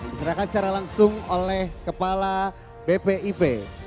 diserahkan secara langsung oleh kepala bpip